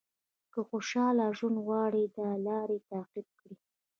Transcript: که خوشاله ژوند غواړئ دا لارې تعقیب کړئ.